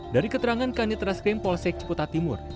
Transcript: dari keterangan kanitra skrim polsek ceputat timur